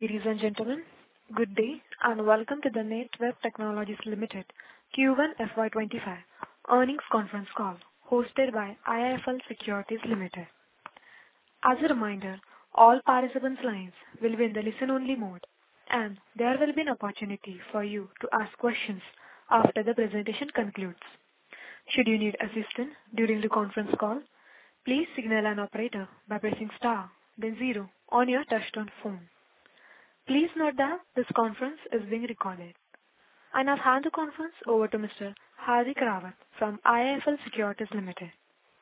Ladies and gentlemen, good day, and welcome to the Netweb Technologies India Limited Q1 FY 2025 earnings conference call, hosted by IIFL Securities Limited. As a reminder, all participants' lines will be in the listen-only mode, and there will be an opportunity for you to ask questions after the presentation concludes. Should you need assistance during the conference call, please signal an operator by pressing star then zero on your touchtone phone. Please note that this conference is being recorded. I now hand the conference over to Mr. Hardik Rawat from IIFL Securities Limited.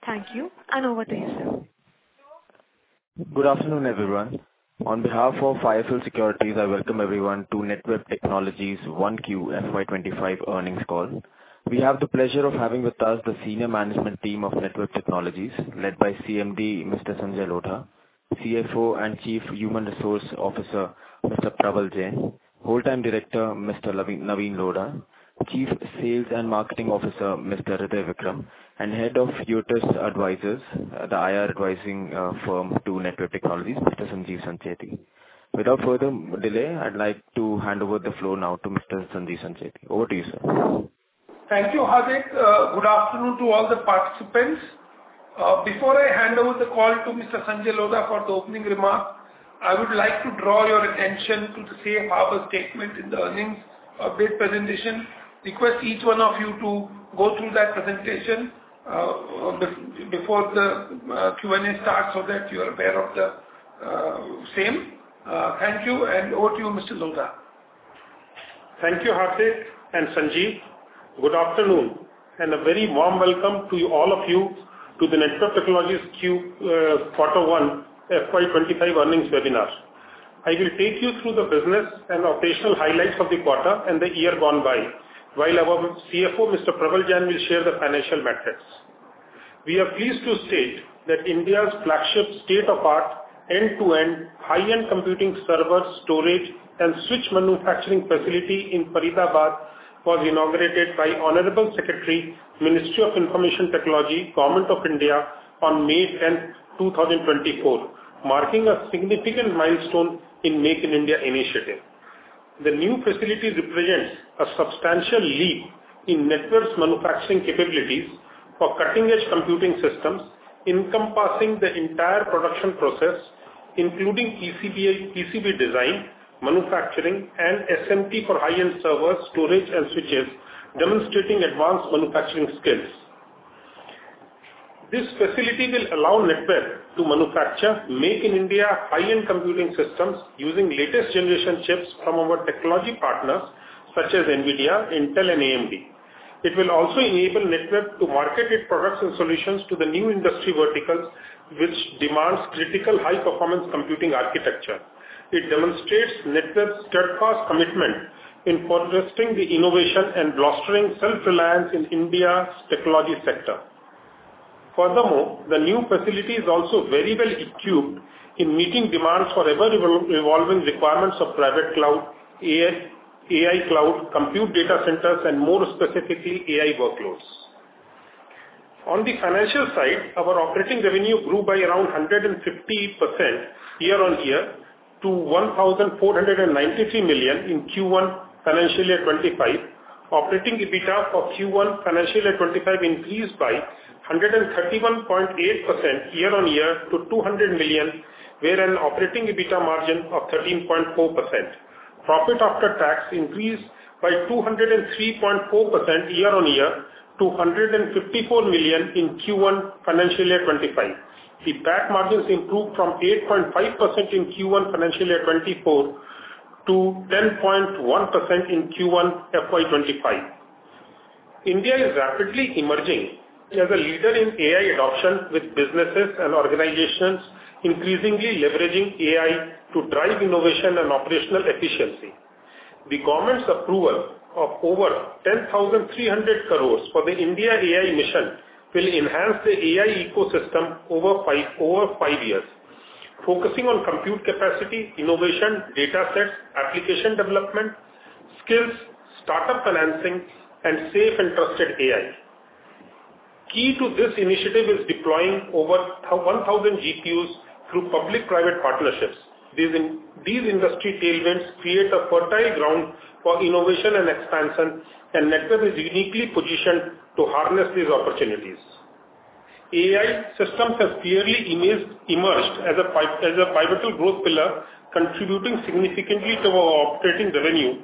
Thank you, and over to you, sir. Good afternoon, everyone. On behalf of IIFL Securities, I welcome everyone to Netweb Technologies 1Q FY 2025 earnings call. We have the pleasure of having with us the senior management team of Netweb Technologies led by CMD, Mr. Sanjay Lodha; CFO and Chief Human Resource Officer, Mr. Prabal Jain; Whole Time Director, Mr. Navin Lodha; Chief Sales and Marketing Officer, Mr. Hirdey Vikram; and Head of Uirtus Advisors, the IR advisory firm to Netweb Technologies, Mr. Sanjeev Sancheti. Without further delay, I'd like to hand over the floor now to Mr. Sanjeev Sancheti. Over to you, sir. Thank you, Hardik. Good afternoon to all the participants. Before I hand over the call to Mr. Sanjay Lodha for the opening remarks, I would like to draw your attention to the safe harbor statement in the earnings update presentation. Request each one of you to go through that presentation before the Q&A starts, so that you are aware of the same. Thank you, and over to you, Mr. Lodha. Thank you, Hardik and Sanjeev. Good afternoon, and a very warm welcome to all of you to the Netweb Technologies Q1 FY 2025 earnings webinar. I will take you through the business and operational highlights of the quarter and the year gone by, while our CFO, Mr. Prabal Jain, will share the financial metrics. We are pleased to state that India's flagship state-of-the-art, end-to-end, high-end computing server, storage, and switch manufacturing facility in Faridabad was inaugurated by Honorable Secretary, Ministry of Information Technology, Government of India, on May 10, 2024, marking a significant milestone in Make in India initiative. The new facility represents a substantial leap in Netweb's manufacturing capabilities for cutting-edge computing systems, encompassing the entire production process, including PCBA, PCB design, manufacturing, and SMT for high-end servers, storage, and switches, demonstrating advanced manufacturing skills. This facility will allow Netweb to manufacture Make in India high-end computing systems using latest generation chips from our technology partners such as NVIDIA, Intel, and AMD. It will also enable Netweb to market its products and solutions to the new industry verticals, which demands critical high-performance computing architecture. It demonstrates Netweb's steadfast commitment in progressing the innovation and bolstering self-reliance in India's technology sector. Furthermore, the new facility is also very well equipped in meeting demands for ever-evolving requirements of private cloud, AI, AI cloud, compute data centers, and more specifically, AI workloads. On the financial side, our operating revenue grew by around 150% year-over-year to 1,493 million in Q1, financial year 2025. Operating EBITDA for Q1, financial year 2025, increased by 131.8% year-on-year to 200 million, with an operating EBITDA margin of 13.4%. Profit after tax increased by 203.4% year-on-year to 154 million in Q1, financial year 2025. EBITDA margins improved from 8.5% in Q1, financial year 2024, to 10.1% in Q1, FY 2025. India is rapidly emerging as a leader in AI adoption, with businesses and organizations increasingly leveraging AI to drive innovation and operational efficiency. The government's approval of over 10,300 crores for the India AI mission will enhance the AI ecosystem over five years, focusing on compute capacity, innovation, data sets, application development, skills, startup financing, and safe and trusted AI. Key to this initiative is deploying over 1,000 GPUs through public-private partnerships. These industry tailwinds create a fertile ground for innovation and expansion, and Netweb is uniquely positioned to harness these opportunities. AI systems have clearly emerged as a pivotal growth pillar, contributing significantly to our operating revenue,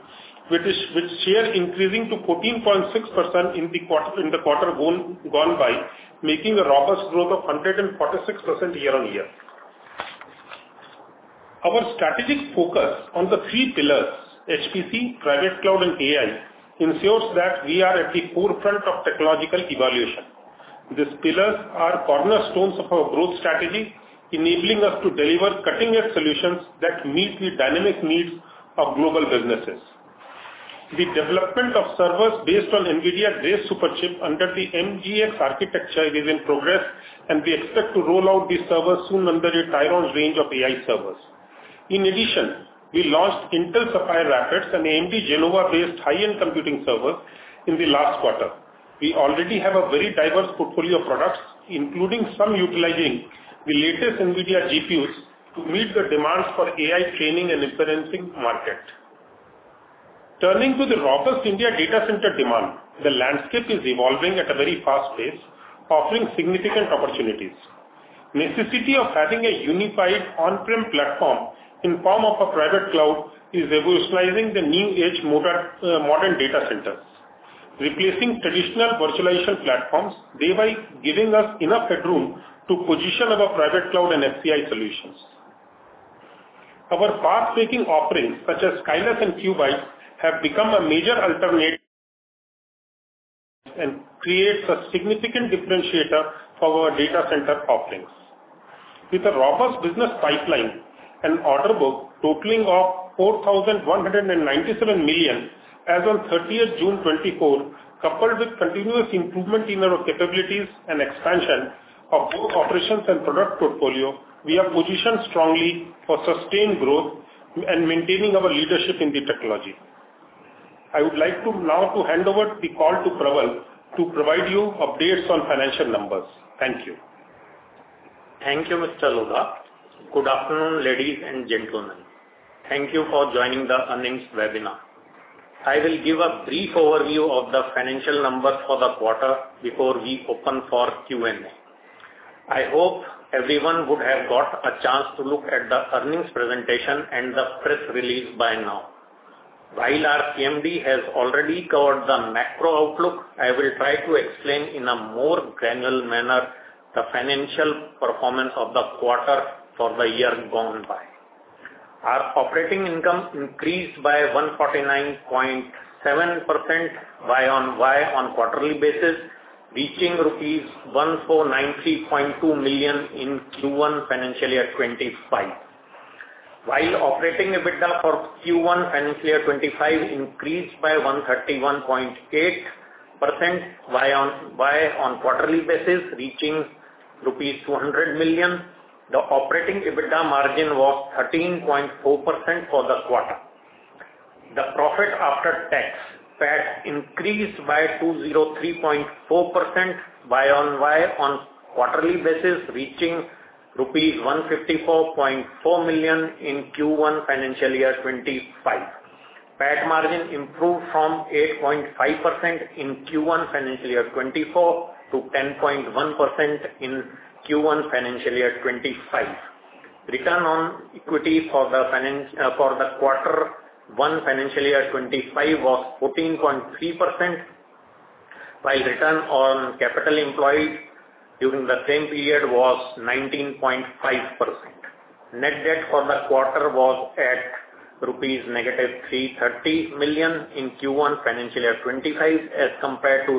with share increasing to 14.6% in the quarter gone by, making a robust growth of 146% year-on-year. Our strategic focus on the three pillars, HPC, Private Cloud, and AI, ensures that we are at the forefront of technological evolution. These pillars are cornerstones of our growth strategy, enabling us to deliver cutting-edge solutions that meet the dynamic needs of global businesses. The development of servers based on NVIDIA Grace Superchip under the NGX architecture is in progress, and we expect to roll out these servers soon under a Tyrone range of AI servers. In addition, we launched Intel Sapphire Rapids and AMD Genoa-based high-end computing servers in the last quarter. We already have a very diverse portfolio of products, including some utilizing the latest NVIDIA GPUs, to meet the demands for AI training and inferencing market. Turning to the robust India data center demand, the landscape is evolving at a very fast pace, offering significant opportunities. Necessity of having a unified on-prem platform in form of a private cloud is revolutionizing the new age modern data centers, replacing traditional virtualization platforms, thereby giving us enough headroom to position our private cloud and HCI solutions. Our path-breaking offerings, such as Skylus and Kubyts, have become a major alternate and creates a significant differentiator for our data center offerings. With a robust business pipeline and order book totaling of 4,197 million as of 30th June 2024, coupled with continuous improvement in our capabilities and expansion of both operations and product portfolio, we are positioned strongly for sustained growth and maintaining our leadership in the technology. I would like to now to hand over the call to Prabal to provide you updates on financial numbers. Thank you. Thank you, Mr. Lodha. Good afternoon, ladies and gentlemen. Thank you for joining the earnings webinar. I will give a brief overview of the financial numbers for the quarter before we open for Q&A. I hope everyone would have got a chance to look at the earnings presentation and the press release by now. While our CMD has already covered the macro outlook, I will try to explain in a more granular manner the financial performance of the quarter for the year gone by. Our operating income increased by 149.7% Y on Y on a quarterly basis, reaching rupees 149.2 million in Q1, financial year 2025. While operating EBITDA for Q1, financial year 2025 increased by 131.8% Y on Y on quarterly basis, reaching rupees 200 million, the operating EBITDA margin was 13.4% for the quarter. The profit after tax, PAT, increased by 203.4% Y on Y on quarterly basis, reaching rupees 154.4 million in Q1, financial year 2025. PAT margin improved from 8.5% in Q1, financial year 2024, to 10.1% in Q1, financial year 2025. Return on equity for the finance, for the quarter, Q1 financial year 2025, was 14.3%, while return on capital employed during the same period was 19.5%. Net debt for the quarter was at -330 million rupees in Q1, financial year 2025, as compared to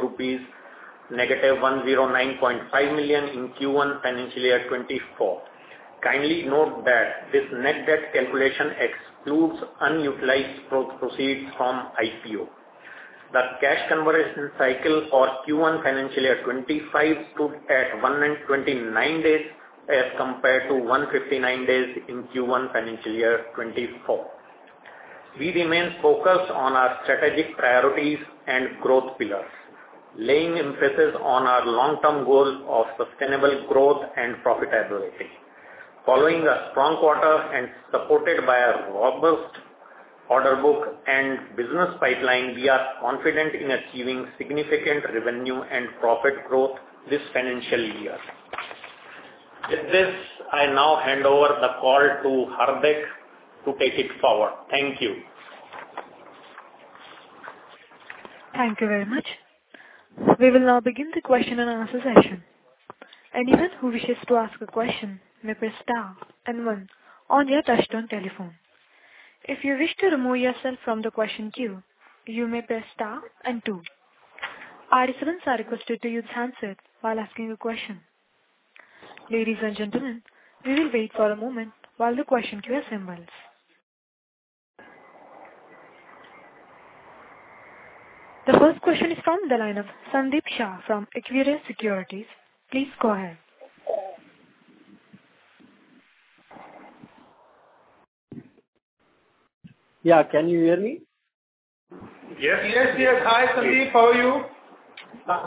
-109.5 million rupees in Q1, financial year 2024. Kindly note that this net debt calculation excludes unutilized pro-proceeds from IPO. The cash conversion cycle for Q1, financial year 2025, stood at 129 days, as compared to 159 days in Q1, financial year 2024. We remain focused on our strategic priorities and growth pillars, laying emphasis on our long-term goal of sustainable growth and profitability. Following a strong quarter and supported by a robust order book and business pipeline, we are confident in achieving significant revenue and profit growth this financial year. With this, I now hand over the call to Hardik to take it forward. Thank you. Thank you very much. We will now begin the question and answer session. Anyone who wishes to ask a question, may press star and one on your touchtone telephone. If you wish to remove yourself from the question queue, you may press star and two. All participants are requested to use handset while asking a question. Ladies and gentlemen, we will wait for a moment while the question queue assembles. The first question is from the line of Sandeep Shah from Equirus Securities. Please go ahead. Yeah, can you hear me? Yes. Yes, Hi, Sandeep. How are you?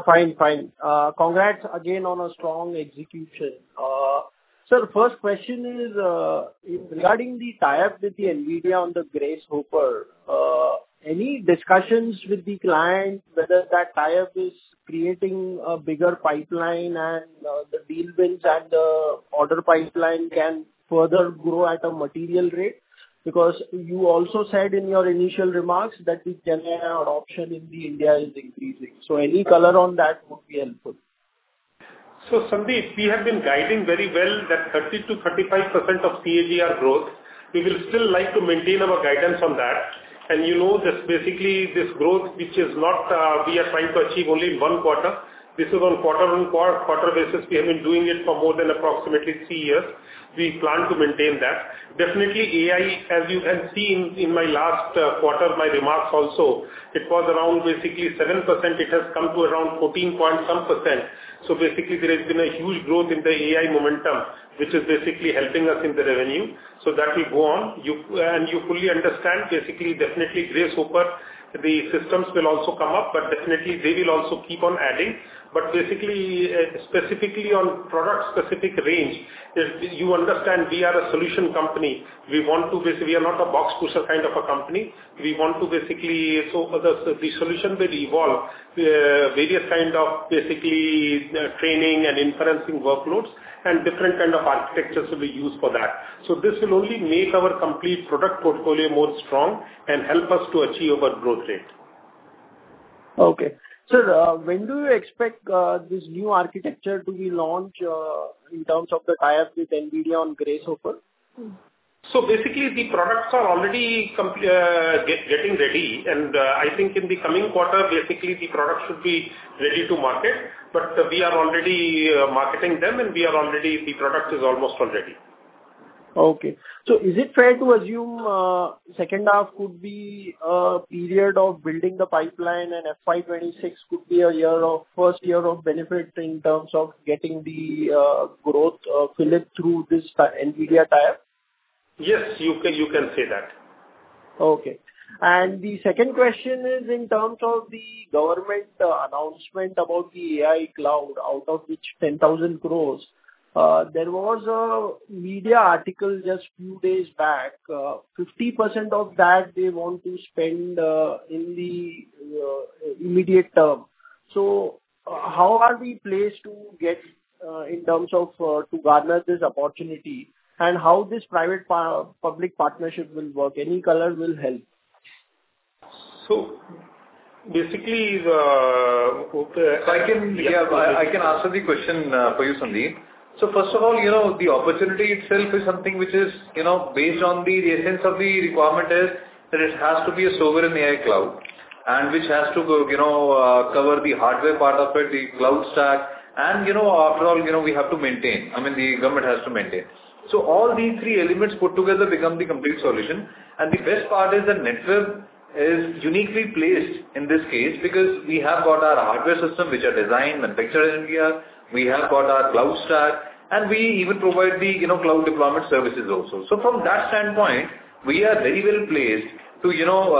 Fine, fine. Congrats again on a strong execution. So the first question is, regarding the tie-up with the NVIDIA on the Grace Hopper. Any discussions with the client, whether that tie-up is creating a bigger pipeline and, the deal wins and the order pipeline can further grow at a material rate? Because you also said in your initial remarks that the general adoption in India is increasing. So any color on that would be helpful. So, Sandeep, we have been guiding very well that 30%-35% CAGR growth, we will still like to maintain our guidance on that. And, you know, this basically, this growth, which is not, we are trying to achieve only one quarter. This is on quarter-on-quarter basis. We have been doing it for more than approximately three years. We plan to maintain that. Definitely, AI, as you have seen in my last quarter, my remarks also, it was around basically 7%. It has come to around 14 point some%. So basically, there has been a huge growth in the AI momentum, which is basically helping us in the revenue. So that will go on. You-- And you fully understand, basically, definitely, Grace Hopper... the systems will also come up, but definitely they will also keep on adding. But basically, specifically on product-specific range, if you understand, we are a solution company. We want to basically, we are not a box pusher kind of a company. We want to basically. So for the solution will evolve, various kind of basically training and inferencing workloads, and different kind of architectures will be used for that. So this will only make our complete product portfolio more strong and help us to achieve our growth rate. Okay. Sir, when do you expect this new architecture to be launched in terms of the tie-up with NVIDIA on Grace Hopper? So basically, the products are already getting ready, and I think in the coming quarter, basically, the product should be ready to market. But we are already marketing them, and we are already, the product is almost already. Okay. So is it fair to assume, second half could be a period of building the pipeline and FY 2026 could be a year of first year of benefit in terms of getting the growth filter through this NVIDIA tie-up? Yes, you can, you can say that. Okay. And the second question is in terms of the government announcement about the AI cloud, out of which 10,000 crore, there was a media article just few days back, 50% of that they want to spend, in the immediate term. So how are we placed to get, in terms of, to garner this opportunity? And how this private-public partnership will work? Any color will help. So basically, okay. I can, yeah, I can answer the question for you, Sandeep. So first of all, you know, the opportunity itself is something which is, you know, based on the essence of the requirement is, that it has to be a sovereign AI cloud, and which has to go, you know, cover the hardware part of it, the cloud stack. And, you know, after all, you know, we have to maintain, I mean, the government has to maintain. So all these three elements put together become the complete solution. And the best part is that Netweb is uniquely placed in this case, because we have got our hardware system, which are designed, manufactured in here. We have got our cloud stack, and we even provide the, you know, cloud deployment services also. So from that standpoint, we are very well placed to, you know,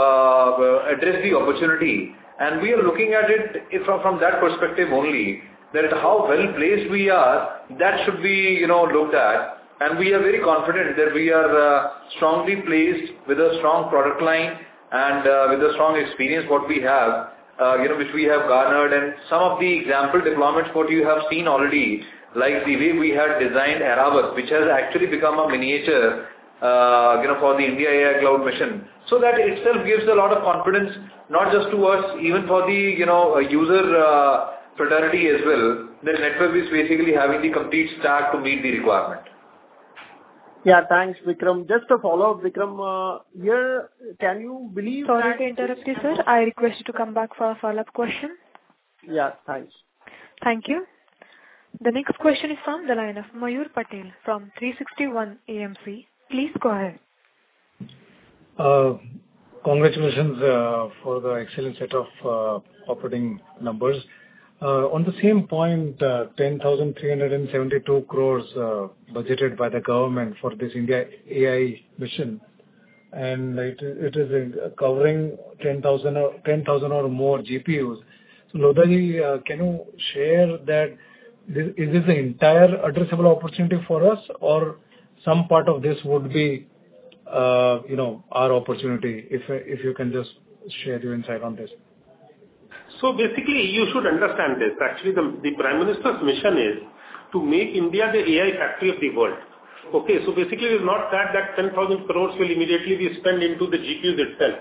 address the opportunity, and we are looking at it from, from that perspective only, that how well placed we are, that should be, you know, looked at. And we are very confident that we are, strongly placed with a strong product line and, with a strong experience what we have, you know, which we have garnered. And some of the example deployments what you have seen already, like the way we had designed AIRAWAT, which has actually become a miniature, you know, for the India AI cloud mission. So that itself gives a lot of confidence, not just to us, even for the, you know, user, fraternity as well, that Netweb is basically having the complete stack to meet the requirement. Yeah, thanks, Vikram. Just a follow-up, Vikram, here, can you believe that- Sorry to interrupt you, sir. I request you to come back for a follow-up question. Yeah, thanks. Thank you. The next question is from the line of Mayur Patel from 360 ONE AMC. Please go ahead. Congratulations for the excellent set of operating numbers. On the same point, 10,372 crore budgeted by the government for this India AI mission, and it is covering 10,000 or more GPUs. So Lodha can you share that, is this an entire addressable opportunity for us or some part of this would be, you know, our opportunity? If you can just share your insight on this. So basically, you should understand this. Actually, the Prime Minister's mission is to make India the AI factory of the world. Okay, so basically, it's not that ten thousand crores will immediately be spent into the GPU itself.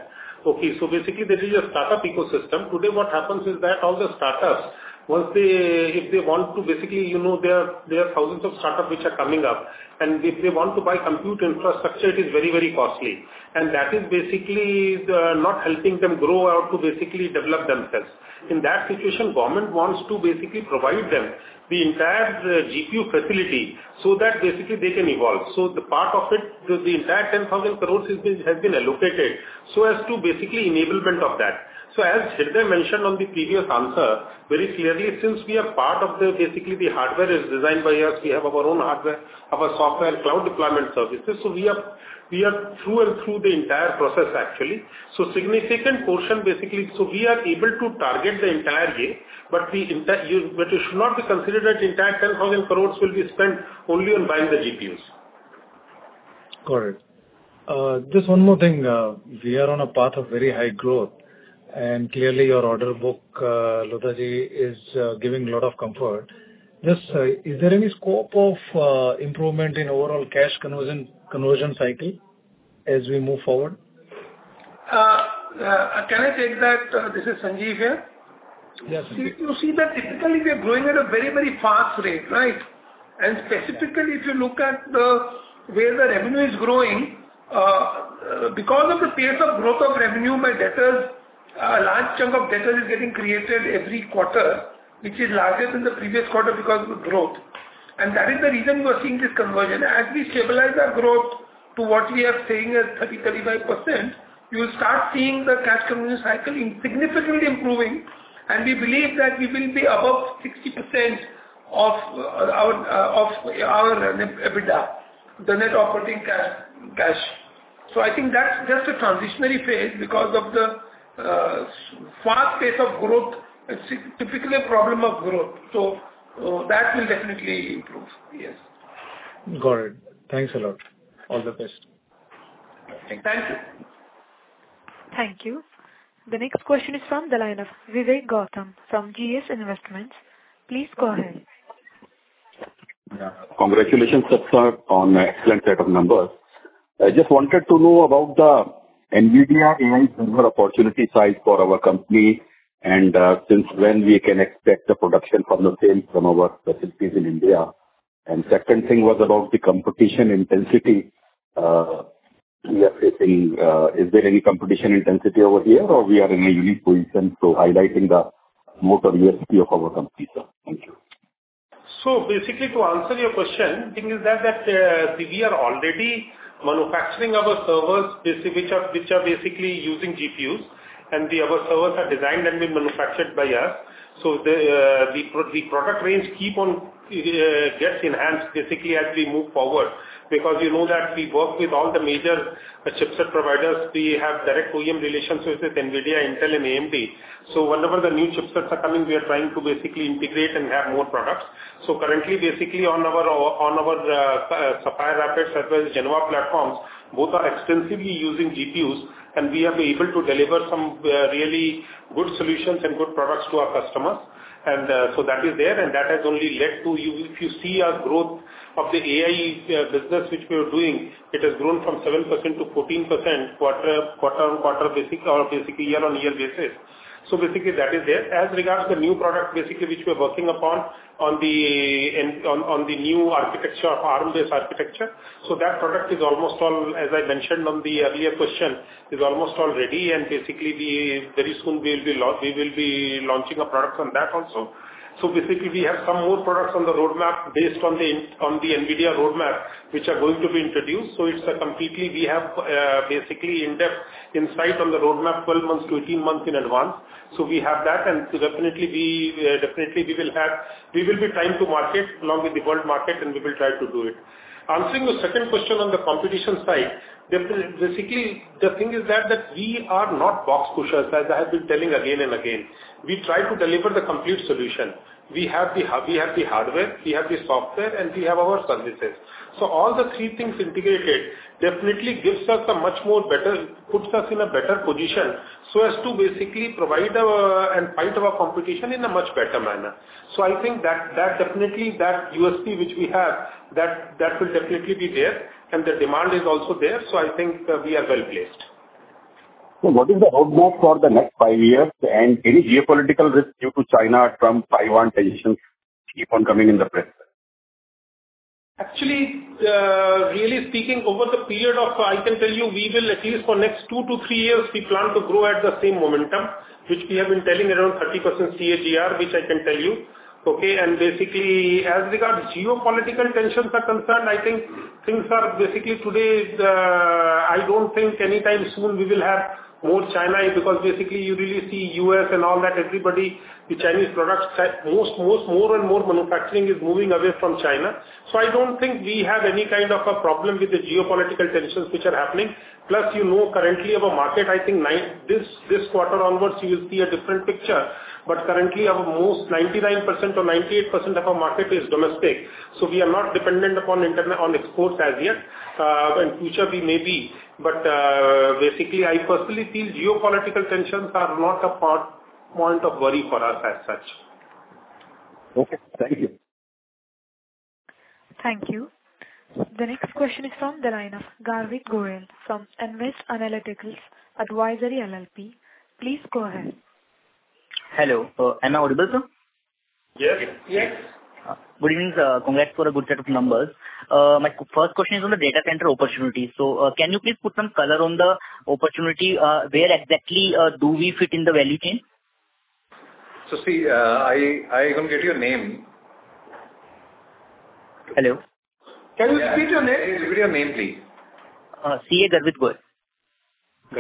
Okay, so basically, this is a startup ecosystem. Today, what happens is that all the startups, once they... If they want to basically, you know, there are thousands of startups which are coming up, and if they want to buy compute infrastructure, it is very, very costly. And that is basically not helping them grow or to basically develop themselves. In that situation, government wants to basically provide them the entire GPU facility so that basically they can evolve. So the part of it, the entire 10,000 crore has been allocated, so as to basically enablement of that. So as Hirdey mentioned on the previous answer, very clearly, since we are part of the-- basically, the hardware is designed by us, we have our own hardware, our software, cloud deployment services. So we are, we are through and through the entire process, actually. So significant portion, basically, so we are able to target the entire game, but we in fact, you-- but it should not be considered that the entire 10,000 crore will be spent only on buying the GPUs. Got it. Just one more thing. We are on a path of very high growth, and clearly your order book, Lodha, is giving a lot of comfort. Just, is there any scope of improvement in overall cash conversion, conversion cycle as we move forward? Can I take that? This is Sanjeev here. Yes. You see that typically we are growing at a very, very fast rate, right? And specifically, if you look at where the revenue is growing, because of the pace of growth of revenue by debtors, a large chunk of debtors is getting created every quarter, which is larger than the previous quarter because of the growth. And that is the reason you are seeing this conversion. As we stabilize our growth to what we are saying as 30%-35%, you'll start seeing the cash conversion cycle significantly improving, and we believe that we will be above 60% of our EBITDA, the net operating cash. So I think that's just a transitory phase because of the fast pace of growth; it's typically a problem of growth, so that will definitely improve. Yes. Got it. Thanks a lot. All the best. Thank you. Thank you. The next question is from the line of Vivek Gautam from GS Investments. Please go ahead. Yeah. Congratulations, sir, on the excellent set of numbers. I just wanted to know about the NVIDIA AI server opportunity size for our company, and since when we can expect the production from the same from our facilities in India. And second thing was about the competition intensity we are facing. Is there any competition intensity over here, or we are in a unique position to highlighting the mode of USP of our company, sir? Thank you. So basically, to answer your question, thing is that we are already manufacturing our servers, which are basically using GPUs, and the other servers are designed and been manufactured by us. So the product range keep on gets enhanced basically as we move forward. Because you know that we work with all the major chipset providers. We have direct OEM relationships with NVIDIA, Intel, and AMD. So whenever the new chipsets are coming, we are trying to basically integrate and have more products. So currently, basically on our Sapphire Rapids as well as Genoa platforms, both are extensively using GPUs, and we have been able to deliver some really good solutions and good products to our customers. So that is there, and that has only led to you-- If you see our growth of the AI business, which we are doing, it has grown from 7% to 14% quarter-on-quarter basis or basically year-on-year basis. So basically, that is there. As regards the new product, basically, which we are working upon on the, in, on, on the new architecture, Arm-based architecture, so that product is almost all, as I mentioned on the earlier question, is almost all ready and basically we, very soon we will be launching a product on that also. So basically, we have some more products on the roadmap based on the, on the NVIDIA roadmap, which are going to be introduced. So it's a completely, we have, basically in-depth insight on the roadmap, 12 months to 18 months in advance. So we have that, and so definitely we will be trying to market along with the world market, and we will try to do it. Answering the second question on the competition side, basically, the thing is that we are not box pushers, as I have been telling again and again. We try to deliver the complete solution. We have the hardware, we have the software, and we have our services. So all the three things integrated definitely gives us a much more better position, so as to basically provide our and fight our competition in a much better manner. So I think that definitely that USP which we have will definitely be there, and the demand is also there, so I think that we are well-placed. What is the roadmap for the next five years, and any geopolitical risk due to China from Taiwan tensions keep on coming in the press? Actually, really speaking, over the period of, I can tell you, we will at least for next two to three years, we plan to grow at the same momentum, which we have been telling around 30% CAGR, which I can tell you. Okay, and basically, as regards geopolitical tensions are concerned, I think things are basically today. I don't think anytime soon we will have more China, because basically you really see US and all that, everybody, the Chinese products, have most, most, more and more manufacturing is moving away from China. So I don't think we have any kind of a problem with the geopolitical tensions which are happening. Plus, you know, currently our market, I think 90%, this quarter onwards, you'll see a different picture, but currently our most 99% or 98% of our market is domestic. So we are not dependent upon international exports as yet. In future we may be, but, basically, I personally feel geopolitical tensions are not a point of worry for us as such. Okay, thank you. Thank you. The next question is from the line of Garvit Goyal from Nvest Analytics Advisory LLP. Please go ahead. Hello. Am I audible, sir? Yes. Yes. Good evening, sir. Congrats for a good set of numbers. My first question is on the data center opportunity. So, can you please put some color on the opportunity? Where exactly do we fit in the value chain? So see, I couldn't get your name. Hello? Can you repeat your name? Yeah, repeat your name, please. CA Garvit Goyal.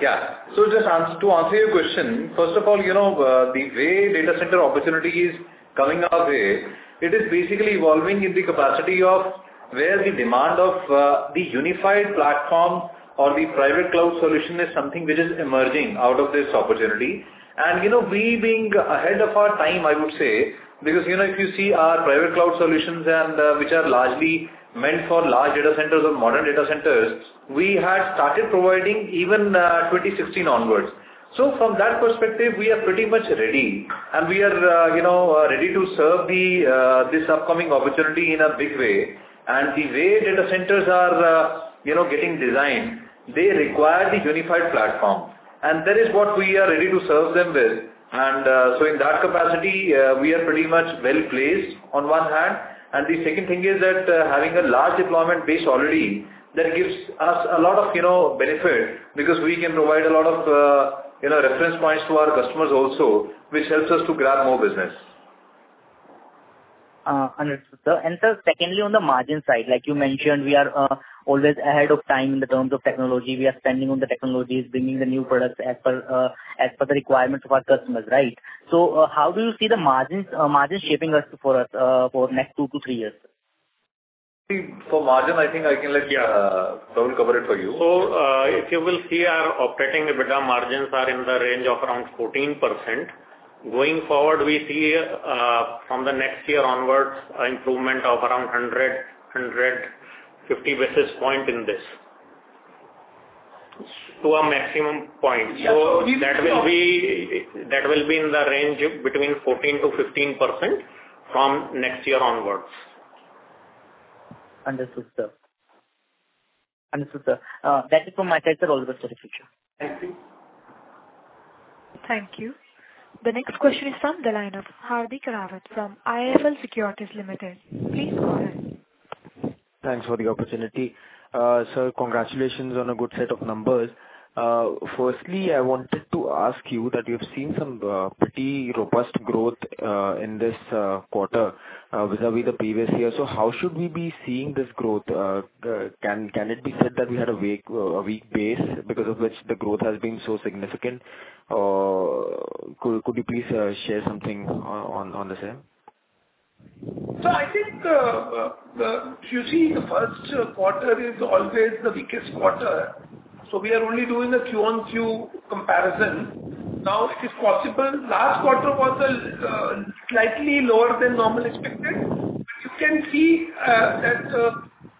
Yeah. So just to answer your question, first of all, you know, the way data center opportunity is coming our way, it is basically evolving in the capacity of where the demand of, the unified platform or the private cloud solution is something which is emerging out of this opportunity. And, you know, we being ahead of our time, I would say, because, you know, if you see our private cloud solutions and, which are largely meant for large data centers or modern data centers, we had started providing even, 2016 onwards. So from that perspective, we are pretty much ready, and we are, you know, ready to serve the, this upcoming opportunity in a big way. The way data centers are, you know, getting designed, they require the unified platform, and that is what we are ready to serve them with. So in that capacity, we are pretty much well-placed on one hand. The second thing is that, having a large deployment base already, that gives us a lot of, you know, benefit, because we can provide a lot of, you know, reference points to our customers also, which helps us to grab more business. Understood. Sir, secondly, on the margin side, like you mentioned, we are always ahead of time in terms of technology. We are spending on the technologies, bringing the new products as per the requirement of our customers, right? So, how do you see the margins shaping up for us for next two to three years? So margin, I think I can let [Sanjay] cover it for you. So, if you will see our operating EBITDA margins are in the range of around 14%. Going forward, we see, from the next year onwards, an improvement of around 100-150 basis points in this. To a maximum point So that will be, that will be in the range between 14%-15% from next year onwards. Understood, sir. Understood, sir. That is from my side, sir. All the best for the future. Thank you. Thank you. The next question is from the line of Hardik Rawat, from IIFL Securities Limited. Please go ahead. Thanks for the opportunity. Sir, congratulations on a good set of numbers. Firstly, I wanted to ask you that you've seen some pretty robust growth in this quarter vis-à-vis the previous year. So how should we be seeing this growth? Can it be said that we had a weak base, because of which the growth has been so significant? Could you please share something on the same? So I think, you see, the first quarter is always the weakest quarter, so we are only doing a Q-on-Q comparison. Now, it is possible, last quarter was, slightly lower than normal expected. You can see, that,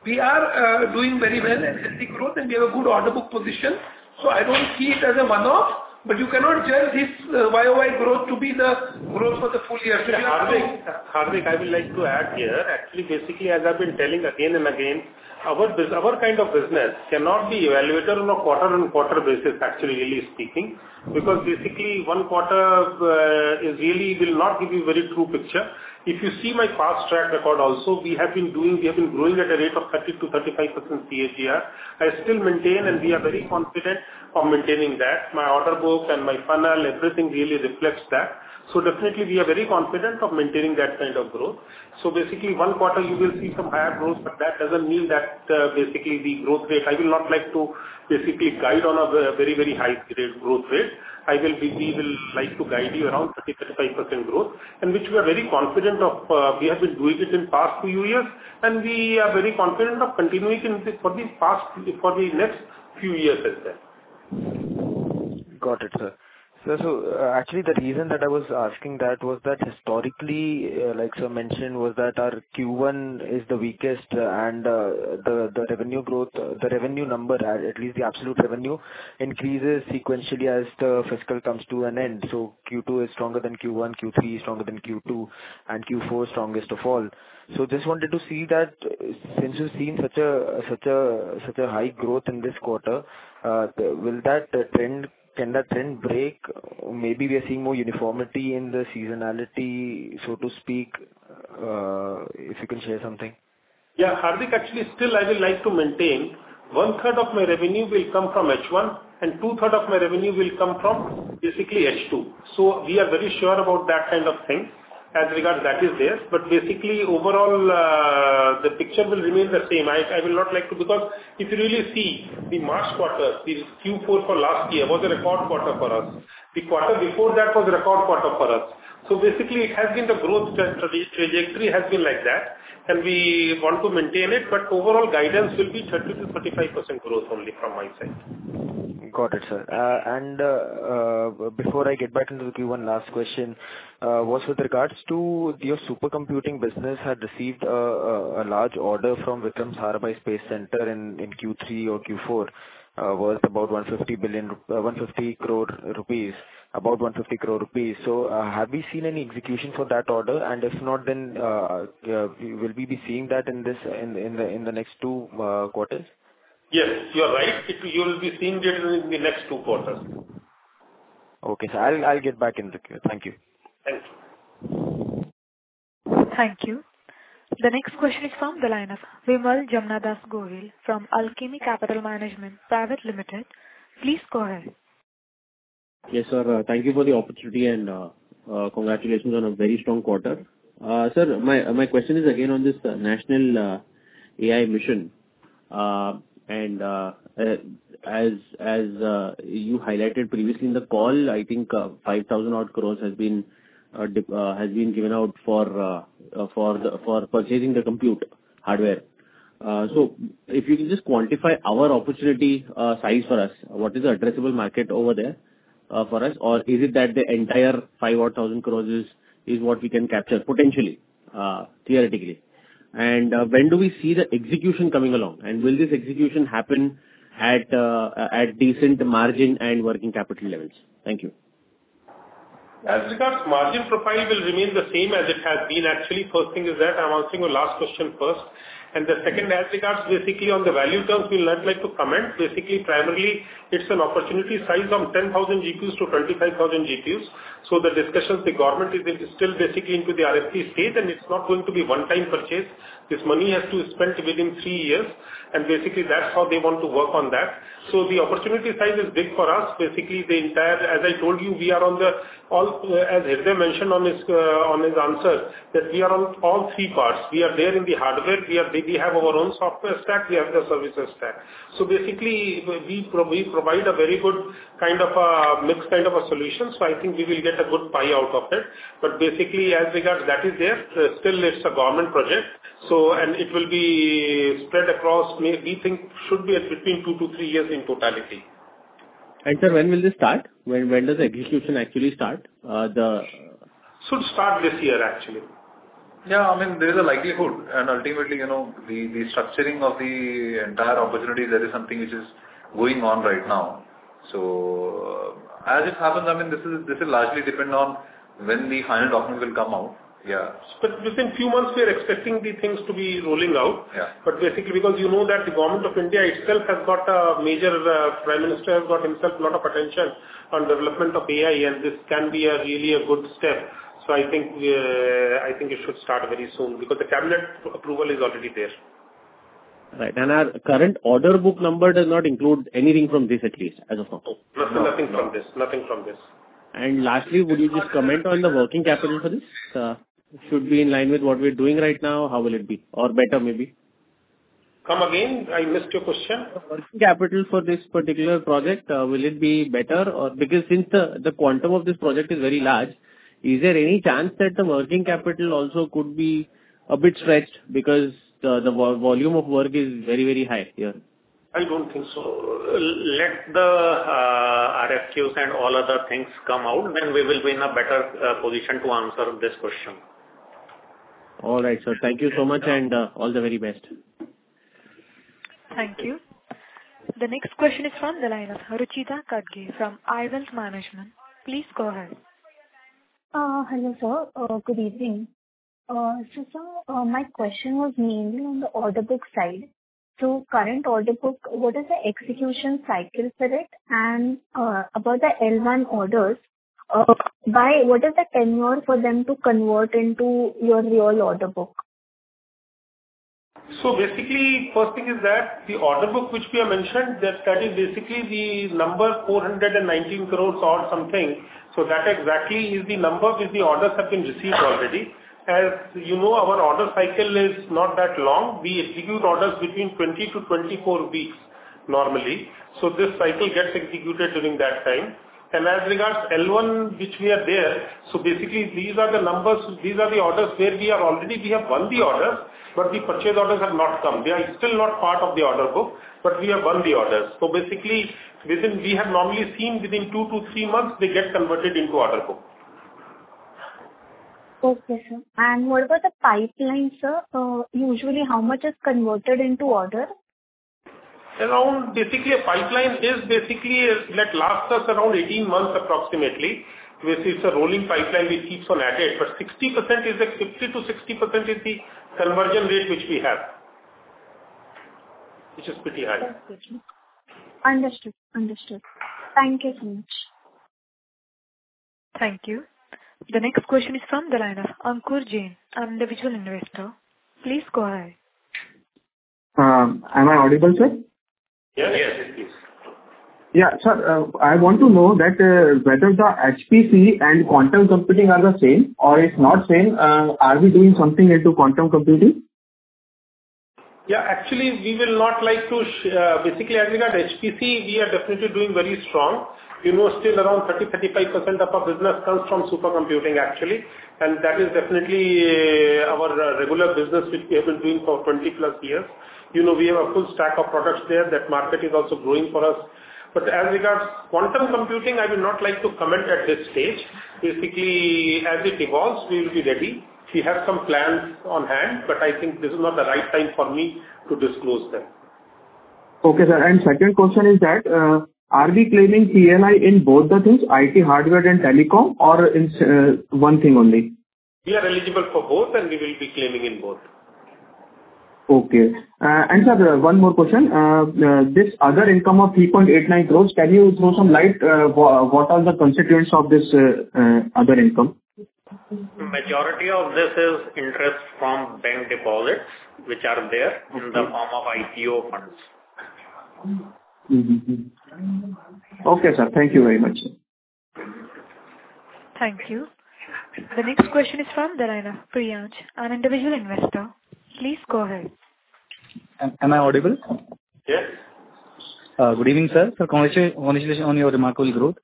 we are, doing very well and healthy growth, and we have a good order book position, so I don't see it as a one-off, but you cannot judge this, YOY growth to be the growth for the full year. Yeah, Hardik, Hardik, I would like to add here. Actually, basically, as I've been telling again and again, our kind of business cannot be evaluated on a quarter-on-quarter basis, actually, really speaking. Because basically, one quarter, is really will not give you very true picture. If you see my past track record also, we have been growing at a rate of 30%-35% CAGR. I still maintain, and we are very confident of maintaining that. My order book and my funnel, everything really reflects that. So definitely, we are very confident of maintaining that kind of growth. So basically, one quarter you will see some higher growth, but that doesn't mean that, basically the growth rate. I will not like to basically guide on a very, very high rate, growth rate. We will like to guide you around 30%-35% growth, and which we are very confident of, we have been doing it in past few years, and we are very confident of continuing it with for the past, for the next few years as well. Got it, sir. So actually, the reason that I was asking that was that historically, like sir mentioned, was that our Q1 is the weakest, and the revenue growth, the revenue number, at least the absolute revenue, increases sequentially as the fiscal comes to an end. So Q2 is stronger than Q1, Q3 is stronger than Q2, and Q4 is strongest of all. So just wanted to see that since you've seen such a high growth in this quarter, will that trend, can that trend break? Maybe we are seeing more uniformity in the seasonality, so to speak, if you can share something. Yeah, Hardik, actually, still, I would like to maintain one-third of my revenue will come from H1, and 2/3 of my revenue will come from basically H2. So we are very sure about that kind of thing. As regards, that is there, but basically, overall, the picture will remain the same. I, I will not like to-- Because if you really see the March quarter, this Q4 for last year, was a record quarter for us. The quarter before that was a record quarter for us. So basically, it has been the growth trend, trajectory has been like that, and we want to maintain it, but overall guidance will be 30%-35% growth only from my side. Got it, sir. And, before I get back into the Q1, last question was with regards to your supercomputing business had received a large order from Vikram Sarabhai Space Centre in Q3 or Q4, worth about 150 billion, 150 crore rupees, about 150 crore rupees. So, will we be seeing that in this, in the next two quarters? Yes, you are right. You will be seeing it in the next two quarters. Okay, sir. I'll get back in the queue. Thank you. Thank you. Thank you. The next question is from the line of Vimal Gohil, from Alchemy Capital Management Private Limited. Please go ahead. Yes, sir. Thank you for the opportunity and, congratulations on a very strong quarter. Sir, my question is again on this national AI mission. And, as you highlighted previously in the call, I think, 5,000-odd crore has been given out for purchasing the compute hardware. So if you could just quantify our opportunity size for us, what is the addressable market over there for us? Or is it that the entire 5,000-odd crore is what we can capture potentially, theoretically? And, when do we see the execution coming along? And will this execution happen at decent margin and working capital levels? Thank you. As regards, margin profile will remain the same as it has been. Actually, first thing is that I'm answering your last question first. And the second, as regards basically on the value terms, we would like to comment. Basically, primarily, it's an opportunity size of 10,000 GPUs to 25,000 GPUs. So the discussions, the government is still basically into the RFP state, and it's not going to be one-time purchase. This money has to be spent within three years, and basically, that's how they want to work on that. So the opportunity size is big for us. Basically, the entire. As I told you, we are on it all, as Hirdey mentioned in his answer, that we are on all three parts. We are there in the hardware, we have our own software stack, we have the services stack. So basically, we provide a very good kind of a mixed kind of a solution, so I think we will get a good pie out of it. But basically, as regards that is there still it's a government project, so and it will be spread across, we think should be between two to three years in totality. Sir, when will this start? When does the execution actually start? Should start this year, actually. Yeah, I mean, there is a likelihood, and ultimately, you know, the structuring of the entire opportunity, there is something which is going on right now. So as it happens, I mean, this is, this will largely depend on when the final documents will come out. Yeah. Within few months, we are expecting the things to be rolling out. Yeah. But basically because you know that the Government of India itself has got a major, Prime Minister has got himself a lot of attention on development of AI, and this can be a really a good step. So I think, I think it should start very soon because the Cabinet approval is already there. Right. Our current order book number does not include anything from this, at least as of now? Nothing from this. Nothing from this. And lastly, would you just comment on the working capital for this? It should be in line with what we're doing right now, how will it be? Or better, maybe. Come again, I missed your question. Working capital for this particular project, will it be better or...? Because since the quantum of this project is very large, is there any chance that the working capital also could be a bit stretched because the volume of work is very, very high here? I don't think so. Let the RFQs and all other things come out, then we will be in a better position to answer this question. All right, sir. Thank you so much, and all the very best. Thank you. The next question is from the line of Rucheeta Kadge from iWealth Management. Please go ahead. Hello, sir. Good evening. So, sir, my question was mainly on the order book side. So current order book, what is the execution cycle for it? And about the L1 orders, by what is the tenure for them to convert into your real order book? So basically, first thing is that the order book which we have mentioned, that, that is basically the number 419 crore or something. So that exactly is the number which the orders have been received already. As you know, our order cycle is not that long. We execute orders between 20-24 weeks, normally. So this cycle gets executed during that time. And as regards L1, which we are there, so basically these are the numbers, these are the orders where we are already, we have won the orders, but the purchase orders have not come. They are still not part of the order book, but we have won the orders. So basically, within, we have normally seen within two to three months, they get converted into order book. Okay, sir. And what about the pipeline, sir? Usually how much is converted into order? Around, basically, a pipeline is basically, like, lasts us around 18 months, approximately. Which is a rolling pipeline, which keeps on adding. But 60% is a, 50%-60% is the conversion rate which we have, which is pretty high. Understood. Understood. Thank you so much. Thank you. The next question is from the line of Ankur Jain, individual investor. Please go ahead. Am I audible, sir? Yeah. Yes, please. Yeah. Sir, I want to know that, whether the HPC and quantum computing are the same or it's not same? Are we doing something into quantum computing? Yeah, actually, we will not like to basically, as regards HPC, we are definitely doing very strong. You know, still around 30%-35% of our business comes from supercomputing, actually. And that is definitely our regular business, which we have been doing for 20+ years. You know, we have a full stack of products there. That market is also growing for us. But as regards quantum computing, I will not like to comment at this stage. Basically, as it evolves, we will be ready. We have some plans on hand, but I think this is not the right time for me to disclose them. Okay, sir. And second question is that, are we claiming PLI in both the things, IT, hardware and telecom, or in, one thing only? We are eligible for both, and we will be claiming in both. Okay. Sir, one more question. This other income of 3.89 crores, can you throw some light, what are the constituents of this other income? Majority of this is interest from bank deposits, which are there in the form of IPO funds. Okay, sir. Thank you very much. Thank you. The next question is from the line of Priyaj, an individual investor. Please go ahead. Am I audible? Yes. Good evening, sir. So congratulations on your remarkable growth.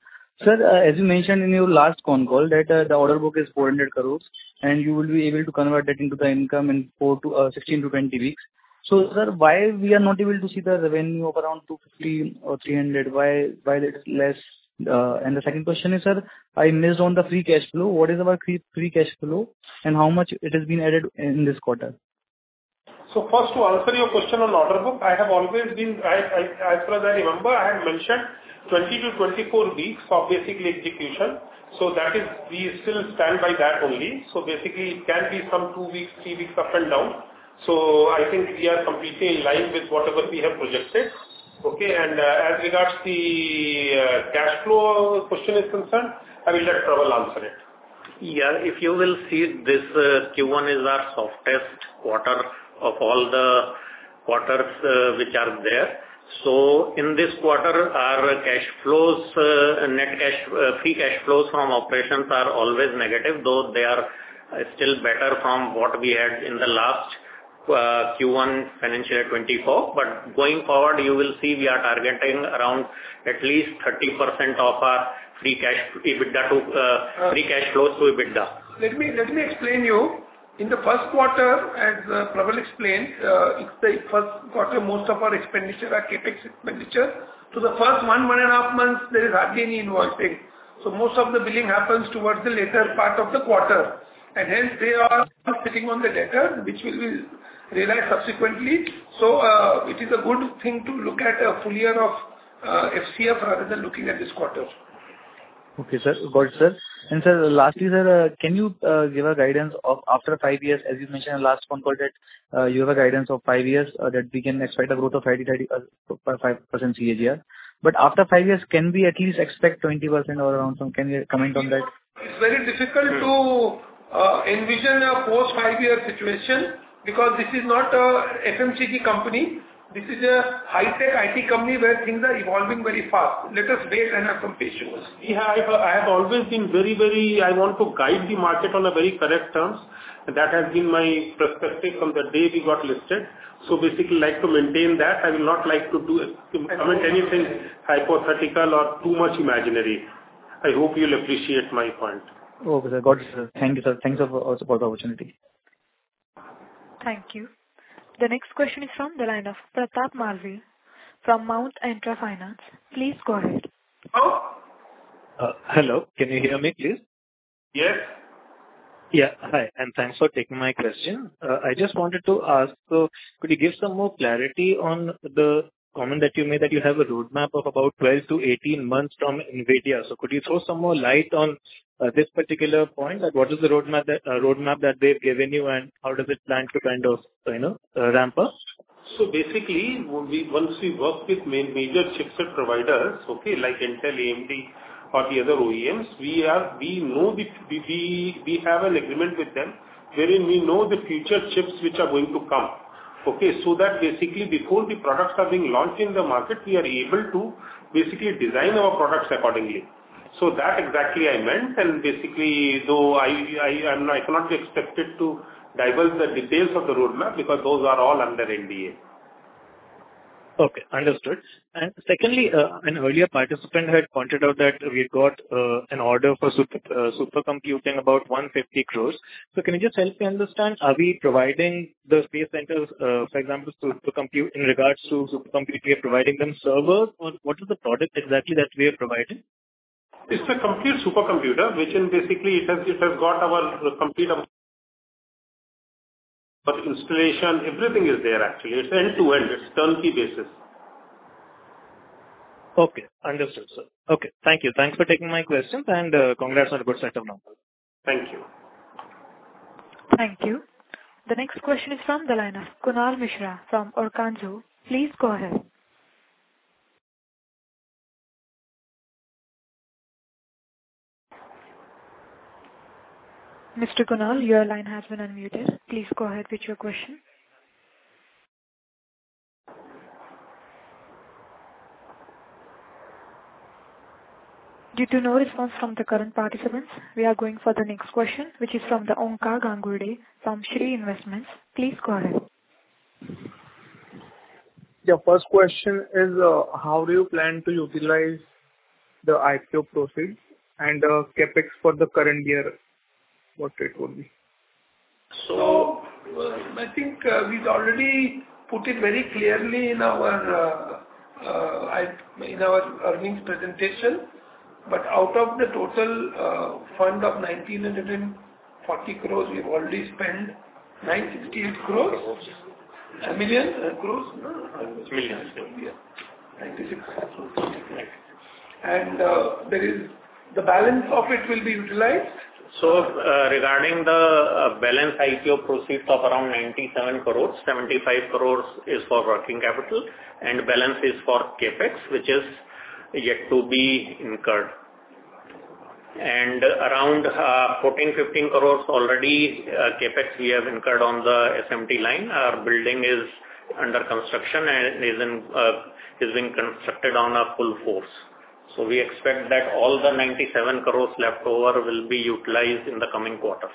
Sir, as you mentioned in your last con call, that the order book is 400 crore, and you will be able to convert that into the income in 14-20 weeks. So sir, why we are not able to see the revenue of around 250 crore or 300 crore? Why, why it is less? And the second question is, sir, I missed on the free cash flow. What is our free, free cash flow, and how much it has been added in this quarter? So first, to answer your question on order book, I have always been, as far as I remember, I had mentioned 20-24 weeks of basically execution. So that is, we still stand by that only. So basically, it can be some two weeks, three weeks up and down. So I think we are completely in line with whatever we have projected. Okay, and as regards the cash flow question is concerned, I will let Prabal answer it. Yeah, if you will see this, Q1 is our softest quarter of all the quarters, which are there. So in this quarter, our cash flows, net cash, free cash flows from operations are always negative, though they are still better from what we had in the last Q1, financial year 2024. But going forward, you will see we are targeting around at least 30% of our free cash, EBITDA to free cash flows to EBITDA. Let me explain you. In the first quarter, as Prabal explained, it's the first quarter; most of our expenditure are CapEx expenditure. So the first 1.5 months, there is hardly any invoicing. So most of the billing happens towards the later part of the quarter, and hence they are sitting on the data, which will be realized subsequently. So it is a good thing to look at a full year of FCF, rather than looking at this quarter. Okay, sir. Got it, sir. And sir, lastly, sir, can you give a guidance of after five years, as you mentioned in last conference call, that you have a guidance of five years, or that we can expect a growth of 30%-35% CAGR. But after five years, can we at least expect 20% or around some? Can you comment on that? It's very difficult to envision a post-five-year situation, because this is not a FMCG company. This is a high-tech IT company, where things are evolving very fast. Let us wait and have some patience. Yeah, I've always been very, very... I want to guide the market on a very correct terms. That has been my perspective from the day we got listed. So basically, like to maintain that, I will not like to do it, to comment anything hypothetical or too much imaginary. I hope you'll appreciate my point. Okay, sir. Got it, sir. Thank you, sir. Thanks for support the opportunity. Thank you. The next question is from the line of Pratap Maliwal, from Mount Intra Finance. Please go ahead. Hello? Hello, can you hear me, please? Yes. Yeah, hi, and thanks for taking my question. I just wanted to ask, so could you give some more clarity on the comment that you made, that you have a roadmap of about 12-18 months from NVIDIA? So could you throw some more light on this particular point? Like, what is the roadmap that roadmap that they've given you, and how does it plan to kind of, you know, ramp up? So basically, once we work with major chipset providers, okay? Like Intel, AMD, or the other OEMs, we have an agreement with them, wherein we know the future chips which are going to come. Okay, so that basically before the products are being launched in the market, we are able to basically design our products accordingly. So that exactly I meant, and basically, though I'm not, I cannot be expected to divulge the details of the roadmap, because those are all under NDA. Okay, understood. And secondly, an earlier participant had pointed out that we got an order for supercomputing about 150 crore. So can you just help me understand, are we providing the space centers, for example, to compute in regards to supercomputing, we are providing them servers, or what is the product exactly that we are providing? It's a complete supercomputer, which in basically it has, it has got our complete installation. Everything is there, actually. It's end-to-end, it's turnkey basis. Okay, understood, sir. Okay, thank you. Thanks for taking my questions, and, congrats on a good set of numbers. Thank you. Thank you. The next question is from the line of Kunal Mishra, from Orcanju. Please go ahead. Mr. Kunal, your line has been unmuted. Please go ahead with your question. Due to no response from the current participants, we are going for the next question, which is from Omkar Gangurde, from Shree Investments. Please go ahead. The first question is, how do you plan to utilize the IPO proceeds, and CapEx for the current year, what it will be? So, I think we've already put it very clearly in our earnings presentation. But out of the total fund of 1,940 crores, we've already spent 96 crores, million, crores, no? Millions. Yeah, INR 96 crore. Right. there is the balance of it will be utilized. Regarding the balance IPO proceeds of around 97 crores, 75 crores is for working capital, and balance is for CapEx, which is yet to be incurred. Around 14-15 crores already CapEx we have incurred on the SMT line. Our building is under construction and is being constructed at full force. We expect that all the 97 crores left over will be utilized in the coming quarters.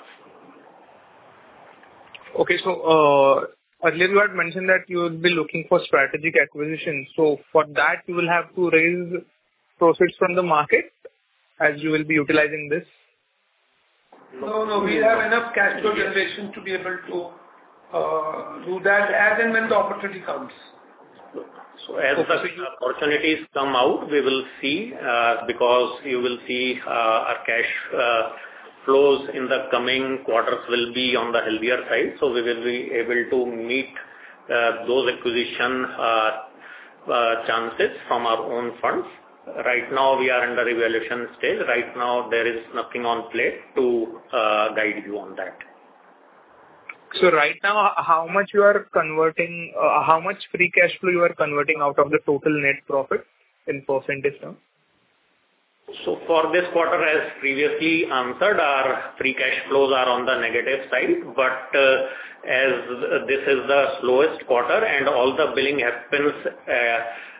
Okay, so, earlier you had mentioned that you would be looking for strategic acquisitions. So for that you will have to raise proceeds from the market, as you will be utilizing this? No, no, we have enough cash flow generation to be able to do that as and when the opportunity comes. So as the signal opportunities come out, we will see, because you will see, our cash flows in the coming quarters will be on the healthier side, so we will be able to meet those acquisition chances from our own funds. Right now, we are under evaluation stage. Right now, there is nothing on plate to guide you on that. So right now, how much free cash flow you are converting out of the total net profit in percentage terms? So for this quarter, as previously answered, our free cash flows are on the negative side. But, as this is the slowest quarter and all the billing happens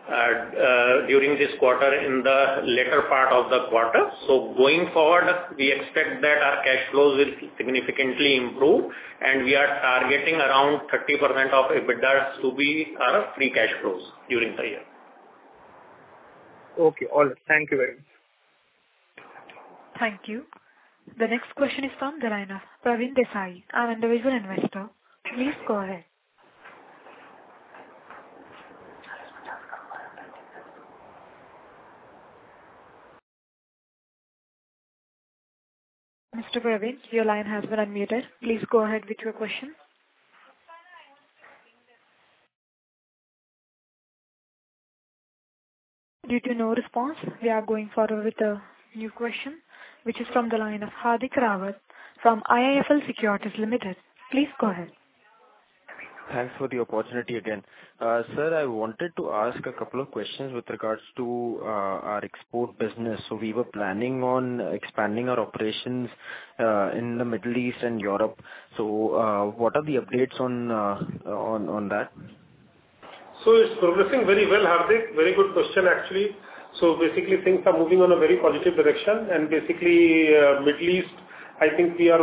during this quarter in the later part of the quarter. So going forward, we expect that our cash flows will significantly improve, and we are targeting around 30% of EBITDA to be our free cash flows during the year. Okay, all right. Thank you very much. Thank you. The next question is from the line of Pravin Desai, an individual investor. Please go ahead. Mr. Pravin, your line has been unmuted. Please go ahead with your question. Due to no response, we are going forward with a new question, which is from the line of Hardik Rawat from IIFL Securities Limited. Please go ahead. Thanks for the opportunity again. Sir, I wanted to ask a couple of questions with regards to our export business. So we were planning on expanding our operations in the Middle East and Europe. So, what are the updates on that? It's progressing very well, Hardik. Very good question, actually. So basically, things are moving on a very positive direction, and basically, Middle East, I think we are,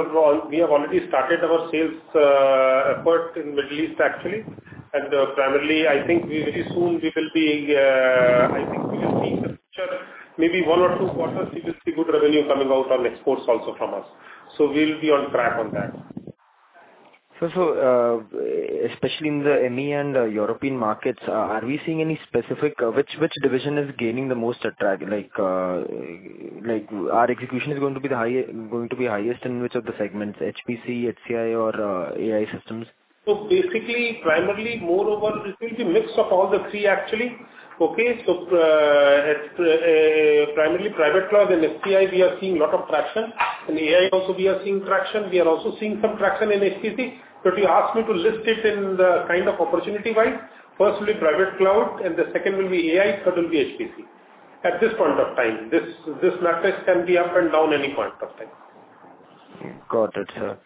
we have already started our sales effort in Middle East, actually. And primarily, I think we very soon we will be, I think we will be maybe one or two quarters, we will see good revenue coming out from exports also from us. So we'll be on track on that. So, especially in the ME and European markets, are we seeing any specific... Which division is gaining the most attraction, like, our execution is going to be the highest in which of the segments? HPC, HCI, or AI systems? So basically, primarily, moreover, it will be mix of all the three, actually. Okay? So, primarily private cloud and HCI, we are seeing a lot of traction. In AI also, we are seeing traction. We are also seeing some traction in HPC. But you asked me to list it in the kind of opportunity-wise. First will be private cloud, and the second will be AI, third will be HPC. At this point of time, this, this matrix can be up and down any point of time. Got it, sir.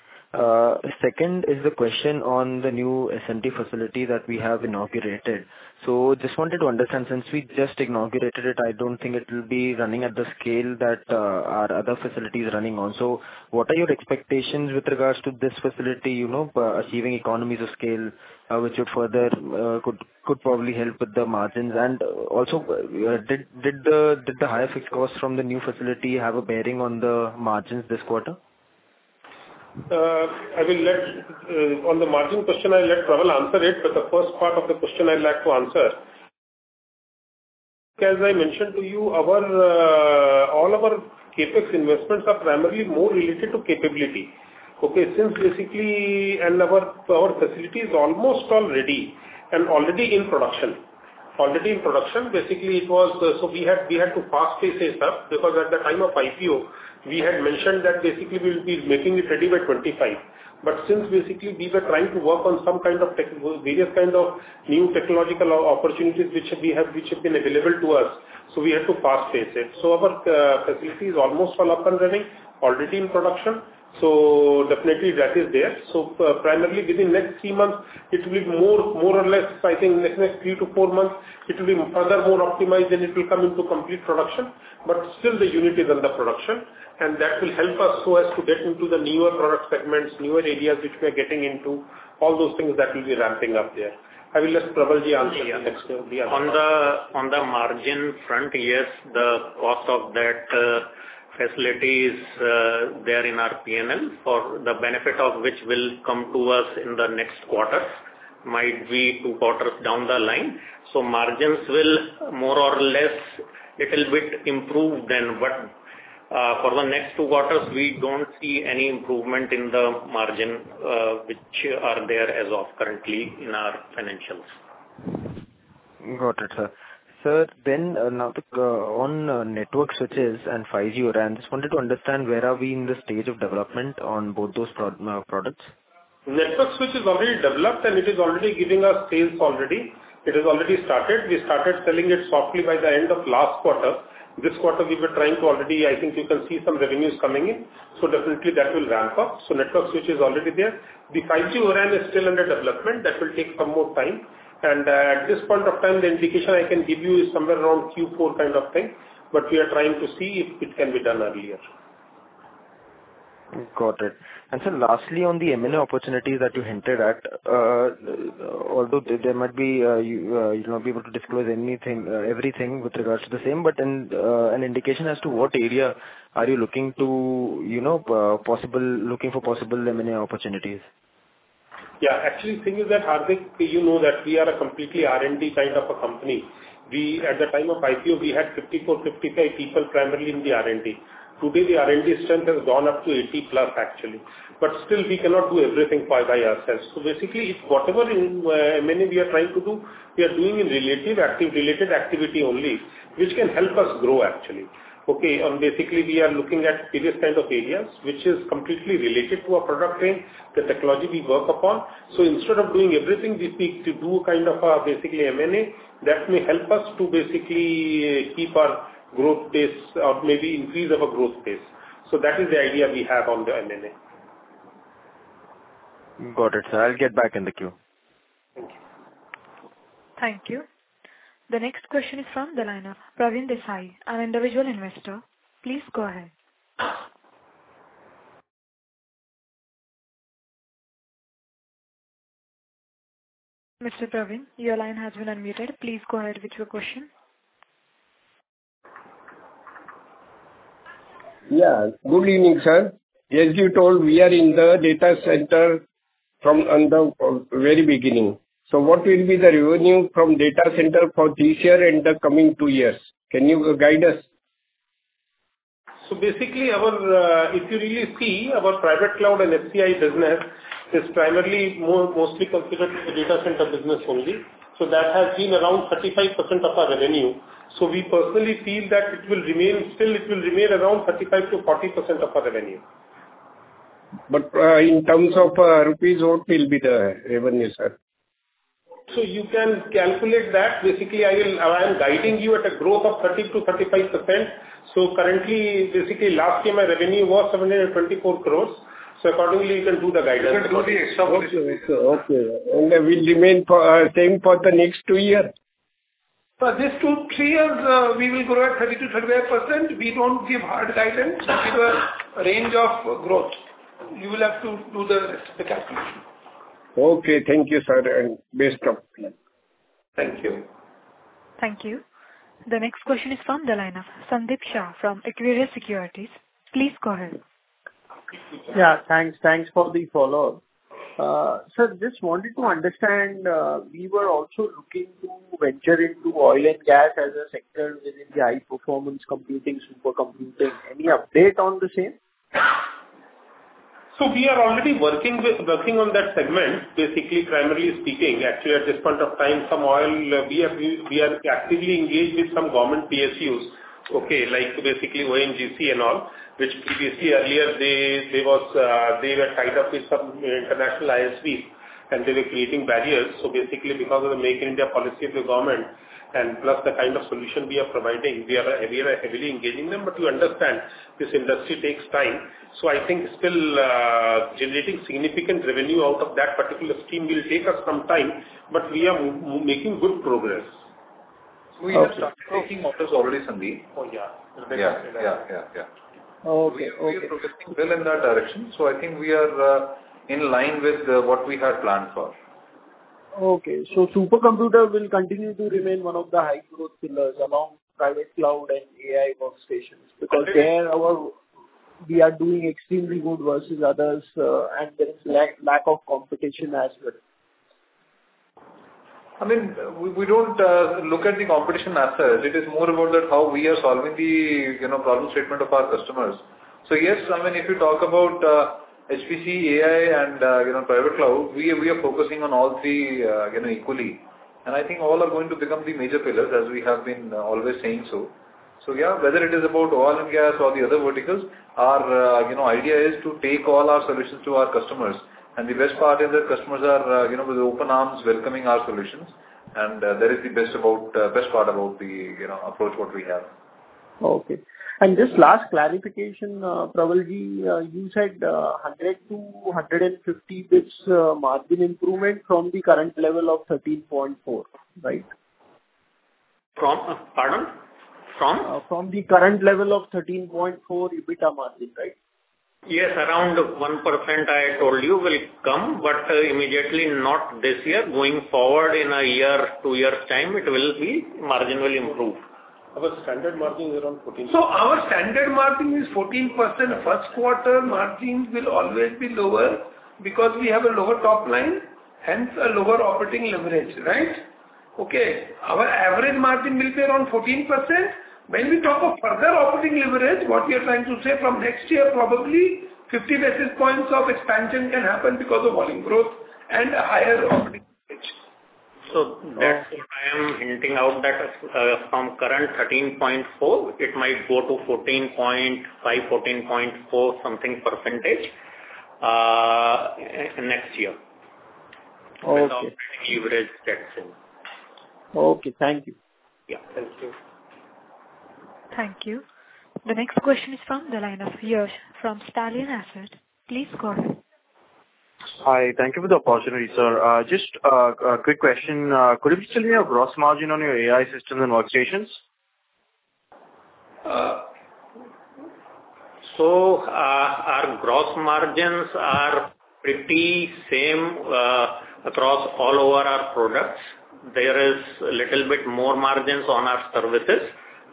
Second is the question on the new SMT facility that we have inaugurated. So just wanted to understand, since we just inaugurated it, I don't think it will be running at the scale that our other facility is running on. So what are your expectations with regards to this facility, you know, achieving economies of scale, which would further could probably help with the margins? And also, did the higher fixed costs from the new facility have a bearing on the margins this quarter? I will let, on the margin question, I'll let Prabal answer it, but the first part of the question I'd like to answer. As I mentioned to you, our, all our CapEx investments are primarily more related to capability. Okay, since basically, and our, our facility is almost all ready and already in production. Already in production, basically, it was, so we had, we had to fast-pace this up, because at the time of IPO, we had mentioned that basically we will be making it ready by 25. But since basically, we were trying to work on some kind of tech, various kind of new technological opportunities which we have, which have been available to us, so we had to fast-pace it. So our, facility is almost all up and running, already in production, so definitely that is there. So, primarily within next three months, it will be more, more or less, I think in the next three to four months, it will be further more optimized, and it will come into complete production. But still the unit is under production, and that will help us so as to get into the newer product segments, newer areas which we are getting into, all those things that will be ramping up there. I will let Prabal answer the next one. On the margin front, yes, the cost of that facility is there in our P&L, for the benefit of which will come to us in the next quarters, might be two quarters down the line. So margins will more or less little bit improve then, but for the next two quarters, we don't see any improvement in the margin, which are there as of currently in our financials. Got it, sir. Sir, then, now to, on, network switches and 5G RAN, just wanted to understand where are we in the stage of development on both those products? Network switch is already developed, and it is already giving us sales already. It has already started. We started selling it softly by the end of last quarter. This quarter, we were trying to already... I think you can see some revenues coming in, so definitely that will ramp up. So network switch is already there. The 5G RAN is still under development. That will take some more time. And, at this point of time, the indication I can give you is somewhere around Q4 kind of thing, but we are trying to see if it can be done earlier. Got it. Sir, lastly, on the M&A opportunities that you hinted at, although there might be, you not be able to disclose anything, everything with regards to the same, but then, an indication as to what area are you looking to, you know, possible, looking for possible M&A opportunities? Yeah, actually, thing is that, Hardik, you know that we are a completely R&D kind of a company. We, at the time of IPO, we had 54, 55 people, primarily in the R&D. Today, the R&D strength has gone up to 80+, actually, but still we cannot do everything by, by ourselves. So basically, it's whatever in, M&A we are trying to do, we are doing in relatively active, related activity only, which can help us grow actually. Okay, basically, we are looking at various kind of areas, which is completely related to our product range, the technology we work upon. So instead of doing everything, we seek to do kind of, basically M&A, that may help us to basically keep our growth pace or maybe increase our growth pace. So that is the idea we have on the M&A. Got it, sir. I'll get back in the queue. Thank you. Thank you. The next question is from the line of Pravin Desai, an individual investor. Please go ahead.... Mr. Pravin, your line has been unmuted. Please go ahead with your question. Yeah. Good evening, sir. As you told, we are in the data center from, on the, very beginning. So what will be the revenue from data center for this year and the coming two years? Can you guide us? So basically, our private cloud and HCI business is primarily more mostly considered as a data center business only. So that has been around 35% of our revenue. So we personally feel that it will remain; still it will remain around 35%-40% of our revenue. In terms of rupees, what will be the revenue, sir? You can calculate that. Basically, I am guiding you at a growth of 30%-35%. Currently, basically, last year my revenue was 724 crore, so accordingly, you can do the guidance. You can do the extra. Okay, okay. And then will remain for, same for the next two years? For this two to three years, we will grow at 30%-35%. We don't give hard guidance, we give a range of growth. You will have to do the rest of the calculation. Okay, thank you, sir, and best of luck. Thank you. Thank you. The next question is from the line of Sandeep Shah from Equirus Securities. Please go ahead. Yeah, thanks. Thanks for the follow-up. Sir, just wanted to understand, we were also looking to venture into oil and gas as a sector within the high-performance computing, supercomputing. Any update on the same? So we are already working with, working on that segment. Basically, primarily speaking, actually, at this point of time, some oil, we are, we are actively engaged with some government PSUs, okay? Like, basically, ONGC and all, which previously, earlier they, they was, they were tied up with some international ISVs, and they were creating barriers. So basically, because of the Make in India policy of the government, and plus the kind of solution we are providing, we are, we are heavily engaging them. But you understand, this industry takes time. So I think still, generating significant revenue out of that particular scheme will take us some time, but we are making good progress. Okay. We are starting models already, Sandeep Oh, yeah Yeah. Okay. We are progressing well in that direction, so I think we are in line with what we had planned for. Okay. So supercomputer will continue to remain one of the high growth pillars along private cloud and AI workstations, because in our, we are doing extremely good versus others, and there is lack of competition as well. I mean, we, we don't look at the competition as such. It is more about that how we are solving the, you know, problem statement of our customers. So yes, I mean, if you talk about, HPC, AI, and, you know, private cloud, we are, we are focusing on all three, you know, equally. And I think all are going to become the major pillars, as we have been, always saying so. So yeah, whether it is about oil and gas or the other verticals, our, you know, idea is to take all our solutions to our customers. And the best part is that customers are, you know, with open arms, welcoming our solutions. And, that is the best about, best part about the, you know, approach what we have. Okay. And just last clarification, Prabal, you said 100-150 basis points margin improvement from the current level of 13.4%, right? From? Pardon, from? From the current level of 13.4 EBITDA margin, right? Yes, around 1%, I told you, will come, but immediately, not this year. Going forward in a year, two years' time, it will be, margin will improve. Our standard margin is around 14- Our standard margin is 14%. First quarter margins will always be lower because we have a lower top line, hence a lower operating leverage, right? Okay, our average margin will be around 14%. When we talk of further operating leverage, what we are trying to say, from next year, probably 50 basis points of expansion can happen because of volume growth and a higher operating leverage. So that's why I am hinting out that, from current 13.4, it might go to 14.5, 14.4, something %, next year. Okay. Operating leverage, that's it. Okay, thank you. Yeah. Thank you. Thank you. The next question is from the line of Yash from Stallion Asset. Please go ahead. Hi. Thank you for the opportunity, sir. Just, a quick question. Could you please tell me your gross margin on your AI systems and workstations? So, our gross margins are pretty same across all over our products. There is a little bit more margins on our services,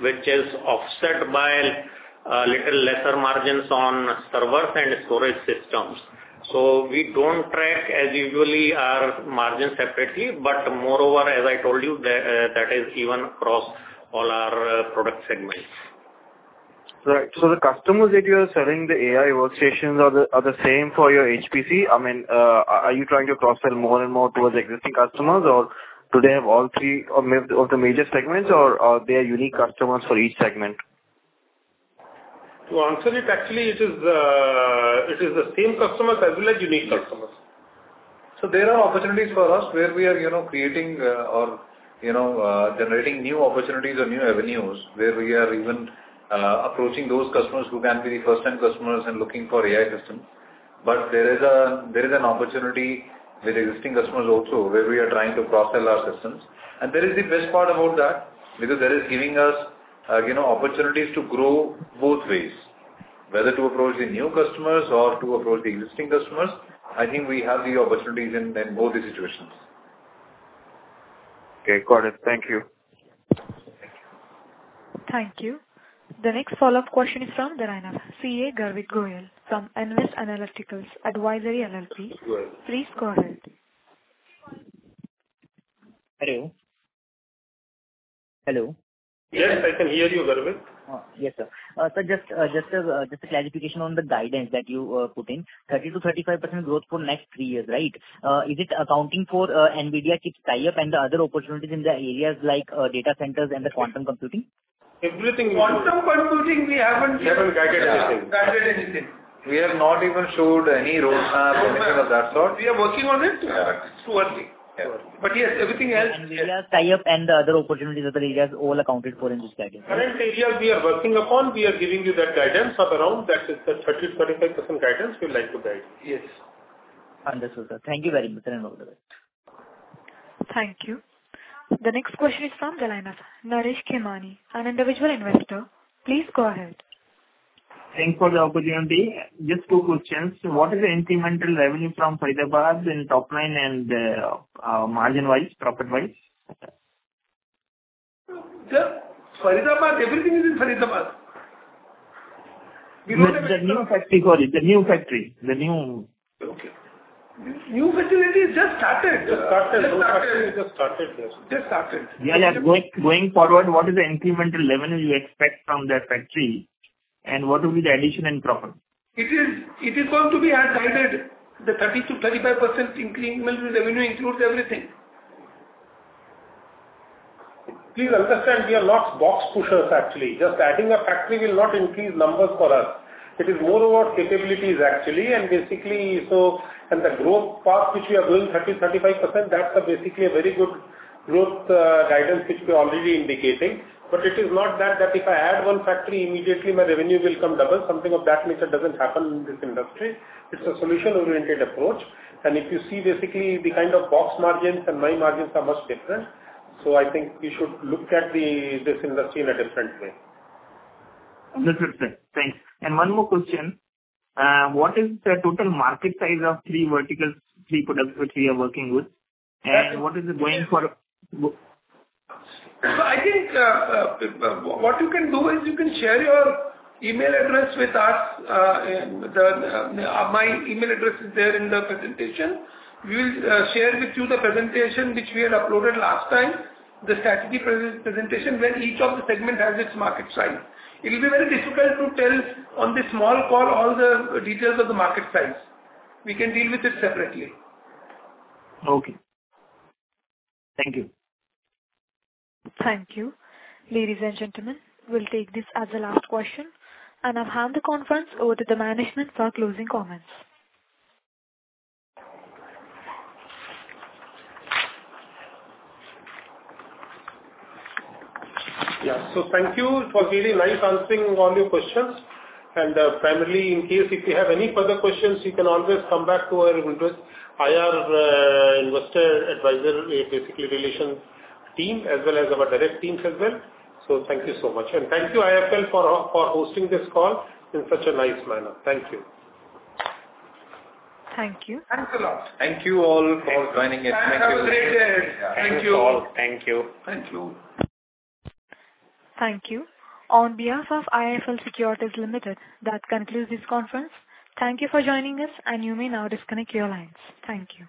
which is offset by little lesser margins on servers and storage systems. So we don't track as usually our margins separately, but moreover, as I told you, that is even across all our product segments. Right. So the customers that you are selling the AI workstations are the same for your HPC? I mean, are you trying to cross-sell more and more towards the existing customers, or do they have all three of the major segments, or they are unique customers for each segment? To answer it, actually, it is, it is the same customers as well as unique customers. So there are opportunities for us where we are, you know, creating or you know generating new opportunities or new avenues, where we are even approaching those customers who can be the first-time customers and looking for AI systems. But there is an opportunity with existing customers also, where we are trying to cross-sell our systems. And that is the best part about that, because that is giving us, you know, opportunities to grow both ways. whether to approach the new customers or to approach the existing customers, I think we have the opportunities in both the situations. Okay, got it. Thank you. Thank you. The next follow-up question is from CA Garvit Goyal from Nvest Analytics Advisory LLP. Please go ahead. Hello? Hello. Yes, I can hear you, Garvit. Yes, sir. So just a clarification on the guidance that you put in. 30%-35% growth for next three years, right? Is it accounting for NVIDIA chips tie-up and the other opportunities in the areas like data centers and the quantum computing? Everything Quantum Computing, we haven't We haven't guided anything Guided anything. We have not even showed any roadmap or anything of that sort We are working on it. Yeah. It's too early. But yes, everything else- We have tie-up and the other opportunities that areas all accounted for in this guidance? Current area we are working upon, we are giving you that guidance of around that is the 30%-35% guidance we would like to guide. Yes. Understood, sir. Thank you very much and all the best. Thank you. The next question is from Gana Naresh Khemani, an individual investor. Please go ahead. Thanks for the opportunity. Just two questions: What is the incremental revenue from Faridabad in top line and, margin-wise, profit-wise? Sir, Faridabad, everything is in Faridabad. The new factory, sorry, the new factory, the new... Okay. New facility is just started Just started Just started, yes. Just started. Yeah, yeah. Going forward, what is the incremental revenue you expect from that factory, and what will be the addition in profit? It is, it is going to be as guided, the 30%-35% incremental revenue includes everything. Please understand, we are not box pushers, actually. Just adding a factory will not increase numbers for us. It is more over capabilities, actually, and basically so. And the growth path, which we are growing 30%-35%, that's basically a very good growth guidance which we're already indicating. But it is not that, that if I add one factory, immediately my revenue will come double. Something of that nature doesn't happen in this industry. It's a solution-oriented approach. And if you see basically the kind of box margins and my margins are much different. So I think we should look at the, this industry in a different way. Understood, sir. Thanks. And one more question, what is the total market size of three verticals, three products which we are working with? And what is the going for? So I think what you can do is you can share your email address with us, and my email address is there in the presentation. We will share with you the presentation which we had uploaded last time, the strategy presentation, where each of the segment has its market size. It will be very difficult to tell on this small call all the details of the market size. We can deal with it separately. Okay. Thank you. Thank you. Ladies and gentlemen, we'll take this as the last question, and I'll hand the conference over to the management for closing comments. Yeah. So thank you for really nice asking all your questions. Finally, in case if you have any further questions, you can always come back to our invest-IR, investor advisor, basically relations team, as well as our direct teams as well. So thank you so much, and thank you, IIFL, for hosting this call in such a nice manner. Thank you. Thank you. Thanks a lot. Thank you all for joining in. Have a great day. Thank you. Thank you all. Thank you. Thank you. Thank you. On behalf of IIFL Securities Limited, that concludes this conference. Thank you for joining us, and you may now disconnect your lines. Thank you.